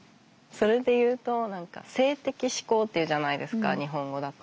それでいうと何か「性的指向」っていうじゃないですか日本語だと。